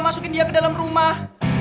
masukin dia ke dalam rumah